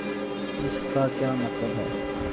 اس کا کیا مطلب ہے؟